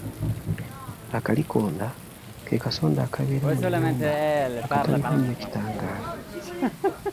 Akalikonda ke kasonda akabeera mu nnyumba akatalina nnyo kitangaala.